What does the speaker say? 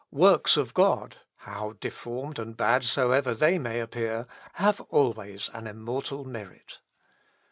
"Works of God, how deformed and bad soever they may appear, have always an immortal merit.